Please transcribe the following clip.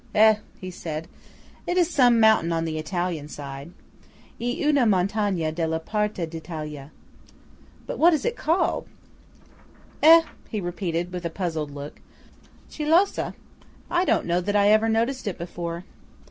"Eh," he said, "it is some mountain on the Italian side" (E una montagna della parte d'Italia). "But what is it called?" "Eh," he repeated, with a puzzled look, "chi lo sa? I don't know that I never noticed it before."